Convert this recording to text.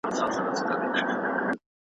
هغه نجلۍ چې شاعري کوي فعاله ده.